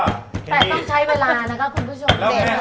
แต่ต้องใช้เวลานะคะคุณผู้ชม